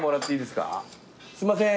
すんません。